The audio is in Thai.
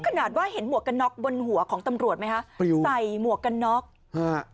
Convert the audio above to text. ขนาดว่าเห็นหมวกกันน็อกบนหัวของตำรวจไหมคะปริวใส่หมวกกันน็อกฮะ